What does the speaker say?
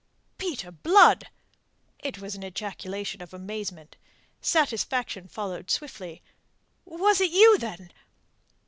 "Peter Blood!" It was an ejaculation of amazement. Satisfaction followed swiftly. "Was it you, then...?"